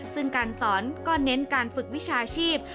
ซึ่งการสอนก็เน้นการฝึกวิชาชีพ